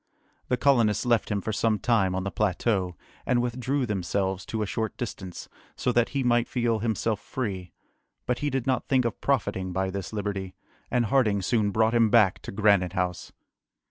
The colonists left him for some time on the plateau, and withdrew themselves to a short distance, so that he might feel himself free; but he did not think of profiting by this liberty, and Harding soon brought him back to Granite House.